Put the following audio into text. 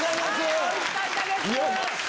おいしかったです。